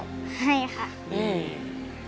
ให้ค่ะ